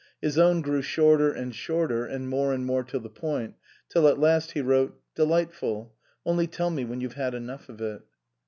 His own grew shorter and shorter and more and more to the point, till at last he wrote :" Delightful. Only tell me when you've had enough of it."